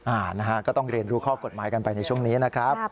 อ่านะฮะก็ต้องเรียนรู้ข้อกฎหมายกันไปในช่วงนี้นะครับ